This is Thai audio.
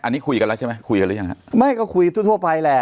อันนี้คุยกันแล้วใช่ไหมคุยกันหรือยังฮะไม่ก็คุยทั่วทั่วไปแหละ